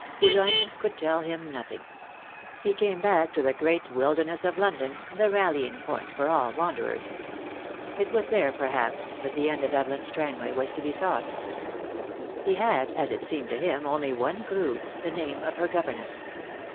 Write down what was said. Boulogne could tell him nothing. He came back to the great wilderness of London, the rallying point for all wanderers. It was there perhaps that the end of Evelyn Strangway was to be sought. He had, as it seemed to him, only one clue, the name of her governess.